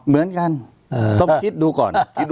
เหมือนกันต้องคิดดูก่อน